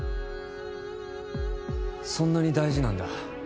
そんなに大事なんだ